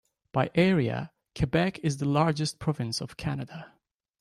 By area, Quebec is the largest province of Canada.